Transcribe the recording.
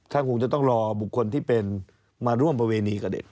คงจะต้องรอบุคคลที่เป็นมาร่วมประเวณีกับเด็ก